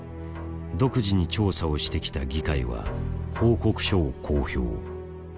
独自に調査をしてきた議会は報告書を公表。